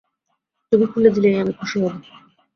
তুমি খুলে দিলেই আমি খুশি হবো।